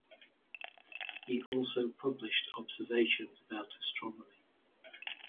He also published observations about astronomy.